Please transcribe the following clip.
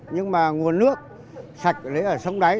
nhưng mà nguồn nước sạch lấy ở sông đáy